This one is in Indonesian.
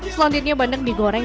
selanjutnya bandeng digoreng